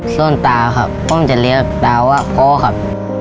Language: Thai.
ส้นตาครับผมจะเรียกปอออว่ากอครับ